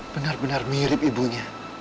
benar benar mirip ibunya